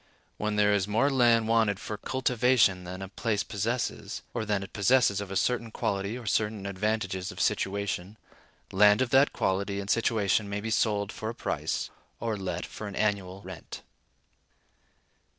When there is more land wanted for cultivation than a place possesses, or than it possesses of a certain quality and certain advantages of situation, land of that quality and situation may be sold for a price, or let for an annual rent.